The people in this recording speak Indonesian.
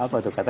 apa tuh kata